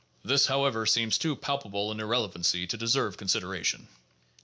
This, however, seems too palpable an irrelevancy to deserve consideration.